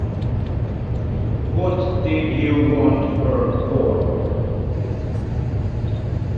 What did you want her for?